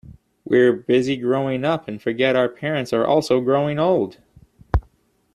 We're busy growing up and forget our parents are also growing old.